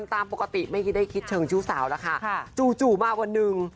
ตามปกติไม่ได้คิดเชิงชู้สาวแล้วค่ะจู่จู่มาวันหนึ่ง